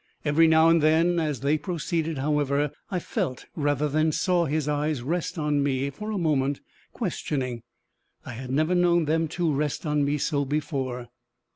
Every now and then as they proceeded, however, I felt rather than saw his eyes rest on me for a moment, questioning. I had never known them rest on me so before.